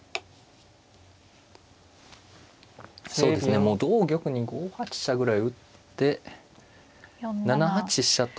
もう同玉に５八飛車ぐらい打って７八飛車と。